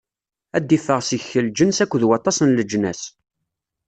Ad d-iffeɣ seg-k lǧens akked waṭas n leǧnas.